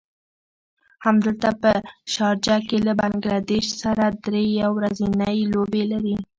همدلته په شارجه کې له بنګله دېش سره دری يو ورځنۍ لوبې لري.